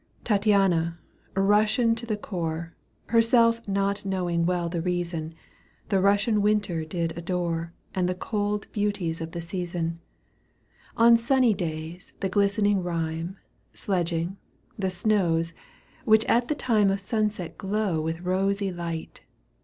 Tattiana, Bussian to the core, HerseK not knowing well the reason, The Bussian winter did adore And the cold beauties of the season : On sunny days the glistening rime, Sledging, the snows, which at the time Of sunset glow with rosy light.